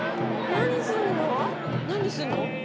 何すんの？